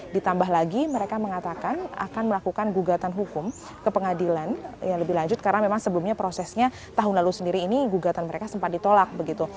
ditambah lagi mereka mengatakan akan melakukan gugatan hukum ke pengadilan yang lebih lanjut karena memang sebelumnya prosesnya tahun lalu sendiri ini gugatan mereka sempat ditolak begitu